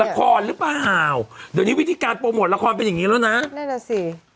หรือเปล่าเดี๋ยวนี้วิธีการโปรโมทละครเป็นอย่างงี้แล้วนะนั่นน่ะสิ